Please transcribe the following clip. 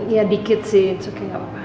ya dikit sih